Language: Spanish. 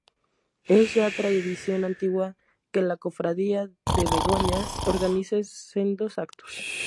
Es ya tradición antigua que la Cofradía de Begoña organice sendos actos.